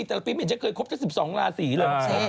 แต่ละปีไม่เคยคบจน๑๒ลาสีเลย